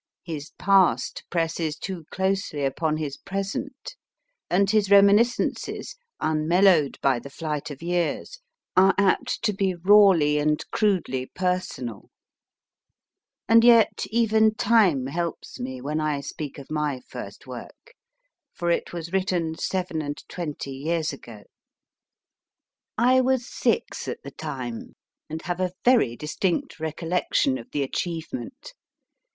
His past presses too closely upon his present, and his reminiscences, unmellowed by the flight of years, are apt to be rawly and crudely personal. And yet even time helps me when I speak of my first work, for it was written seven and twenty years ago. I was six at the time, and have a very distinct recollection of the achievement.